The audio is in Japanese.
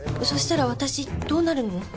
そしたら私どうなるの？